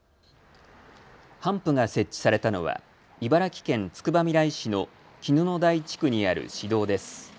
ハンプが設置されたのは茨城県つくばみらい市の絹の台地区にある市道です。